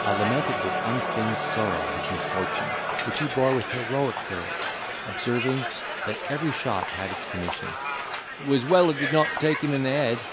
I lamented with unfeigned sorrow his misfortune, which he bore with heroic courage, observing, that every shot had its commission: "It was well it did not take him in the head!